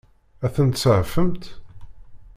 Ad ten-tseɛfemt?